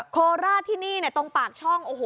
โคลาสที่นี่ตรงปากช่อง